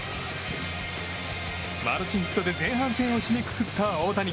マルチヒットで前半戦を締めくくった大谷。